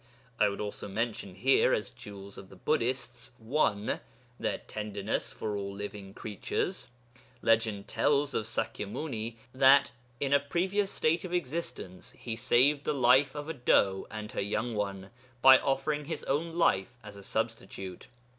I would also mention here as 'jewels' of the Buddhists (1) their tenderness for all living creatures. Legend tells of Sakya Muni that in a previous state of existence he saved the life of a doe and her young one by offering his own life as a substitute.